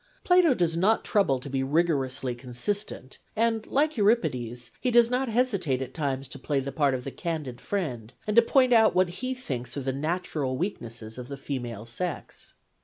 Plato does not trouble to be rigorously consistent, and, like Euripides, he does not hesitate at times to play the part of the candid friend, and to point out what he thinks are the natural weaknesses of the female sex.